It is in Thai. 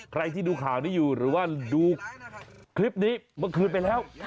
ใครที่ดูข่าวนี้อยู่หรือว่าดูคลิปนี้เมื่อคืนไปแล้ว